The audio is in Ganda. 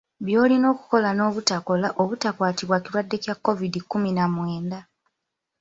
By’olina okukola n’obutakola obutakwatibwa kirwadde kya Kovidi kkumi na mwenda.